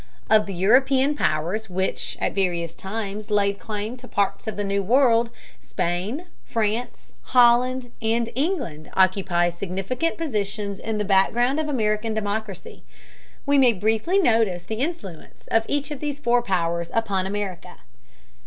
Of the European powers which at various times laid claim to parts of the New World, Spain, France, Holland, and England occupy significant positions in the background of American democracy. We may briefly notice the influence of each of these four powers upon America.